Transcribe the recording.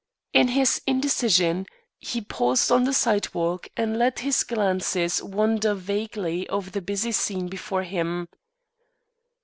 In his indecision, he paused on the sidewalk and let his glances wander vaguely over the busy scene before him.